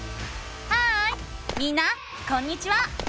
ハーイみんなこんにちは！